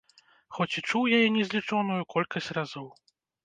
Хоць і чуў яе незлічоную колькасць разоў.